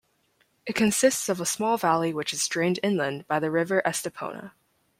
It consists of a small valley which is drained inland by the River Estepona.